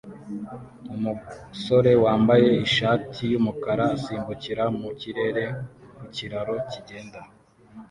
Umusore wambaye ishati yumukara asimbukira mu kirere ku kiraro kigenda